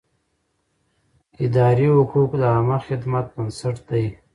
اداري حقوق د عامه خدمت بنسټ دی.